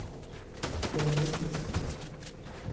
اھا الائي سٺي ا